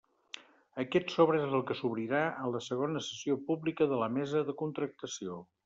Aquest sobre és el que s'obrirà en la segona sessió pública de la Mesa de Contractació.